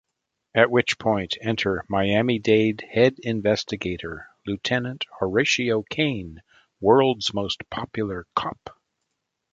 At which point, enter Miami-Dade Head Investigator, Lieutenant Horatio Caine, world's most popular cop.